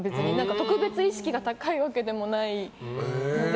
特別意識が高いわけでもないので。